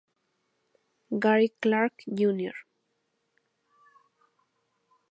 Gary Clark Jr.